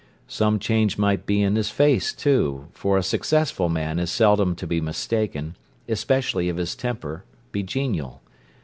Some change might be his face, too, for a successful man is seldom to be mistaken, especially if his temper be genial.